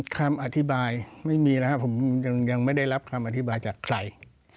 คำอธิบายไม่มีนะครับผมยังไม่ได้รับคำอธิบายจากใคร